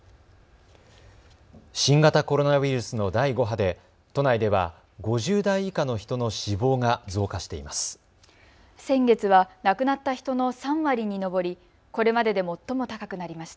新型コロナウイルスの第５波で都内では５０代以下の人の死亡が増加しています。